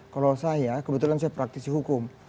kalau saya kebetulan saya praktisi hukum